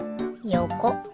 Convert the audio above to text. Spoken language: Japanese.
よこ。